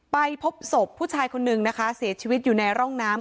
ไปพบศพผู้ชายคนนึงนะคะเสียชีวิตอยู่ในร่องน้ำ